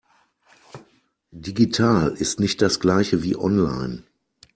Digital ist nicht das Gleiche wie online.